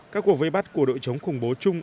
các cuộc vây bắt của đội chống khủng bố chung